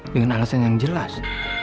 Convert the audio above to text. dengan alasan yang jelas